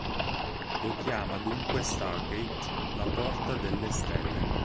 Lo chiama dunque "Stargate", la "Porta delle Stelle".